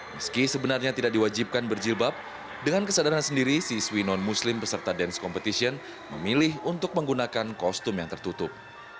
meski sebenarnya tidak diwajibkan berjilbab dengan kesadaran sendiri siswi non muslim beserta dance competition memilih untuk menggunakan kostum yang tertutup